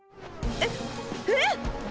えっええっ！？